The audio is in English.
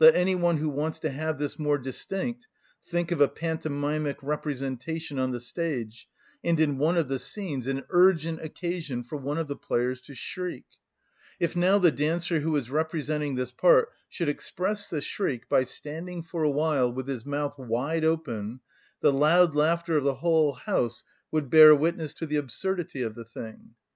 Let any one who wants to have this more distinct think of a pantomimic representation on the stage, and in one of the scenes an urgent occasion for one of the players to shriek; if now the dancer who is representing this part should express the shriek by standing for a while with his mouth wide open, the loud laughter of the whole house would bear witness to the absurdity of the thing.